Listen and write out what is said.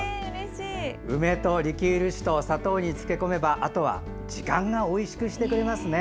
梅とリキュール酒と砂糖に漬け込めばあとは時間がおいしくしてくれますね。